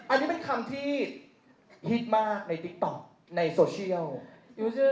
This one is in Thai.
อันนี้เป็นคำที่ฮิตมากในติ๊กต๊อกในโซเชียล